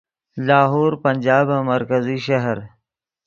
لاہور پنجابن مرکزی شہر